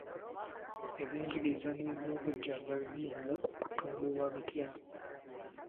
Ebyenjigiza n'ebyobujjanjabi biyinza kutumbulwa bitya?